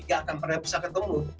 gak akan pernah bisa ketemu